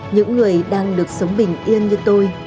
những người đang được sống bình yên như tôi